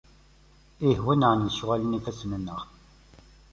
Ih, wenneɛ lecɣal n yifassen-nneɣ!